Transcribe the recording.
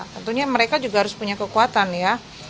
tentunya mereka juga harus punya kekuatan ya